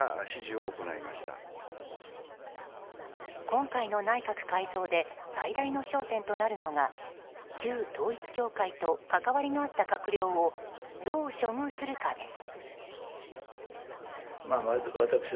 今回の内閣改造で最大の焦点となるのが旧統一教会と関わりのあった閣僚をどう処遇するかです。